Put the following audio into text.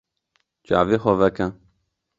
Çavê xwe veke.